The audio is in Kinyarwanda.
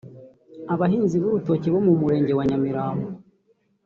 Abahinzi b’urutoki bo mu Murenge wa Nyamirambo